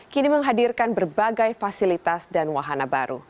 kini menghadirkan berbagai fasilitas dan wahana baru